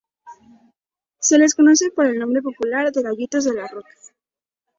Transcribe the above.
Se les conoce por el nombre popular de gallitos de las rocas.